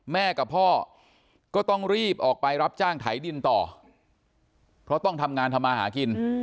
แม่กับพ่อก็ต้องรีบออกไปรับจ้างไถดินต่อเพราะต้องทำงานทำมาหากิน